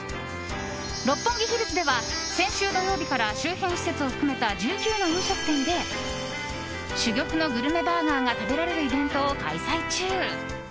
六本木ヒルズでは先週土曜日から周辺施設を含めた１９の飲食店で珠玉のグルメバーガーが食べられるイベントを開催中。